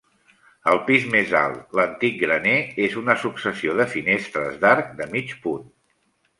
El pis més alt, l'antic graner, és una successió de finestres d'arc de mig punt.